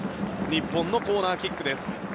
日本のコーナーキック。